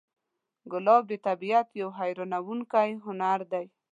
ګلاب د طبیعت یو حیرانوونکی هنر دی.